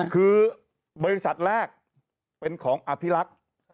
คือบริษัทแรกเป็นของอภิรักษ์